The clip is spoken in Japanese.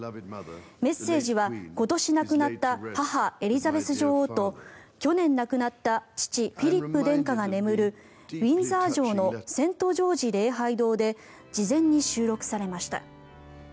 メッセージは今年亡くなった母・エリザベス女王と去年亡くなった父・フィリップ殿下が眠るウィンザー城のセントジョージ礼拝堂で事前に収録されました。